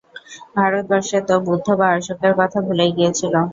ভারতবর্ষ তো বুদ্ধ বা অশোকের কথা ভুলেই গিয়েছিল।